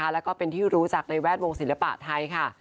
แล้วก็เป็นที่รู้จักในแวดวงศิลปะไทยค่ะ